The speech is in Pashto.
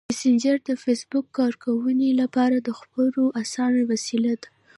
مسېنجر د فېسبوک کاروونکو لپاره د خبرو اسانه وسیله ده.